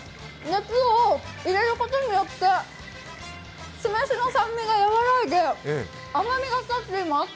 熱を入れることによって、酢飯の酸味が和らいで甘みが立っています。